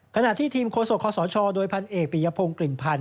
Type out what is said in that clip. ขณะที่ทีมโคโสคสชโดยพันเอกปียพงกลิ่นพัน